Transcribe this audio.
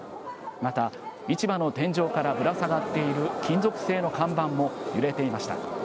また、市場の天井からぶら下がっている金属製の看板も揺れていました。